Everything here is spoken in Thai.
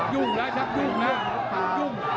ยุ่งหล่ะได้ยุ่ง